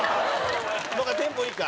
山崎：テンポいいか。